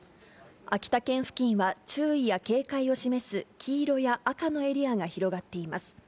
秋田県付近は、注意や警戒を示す黄色や赤のエリアが広がっています。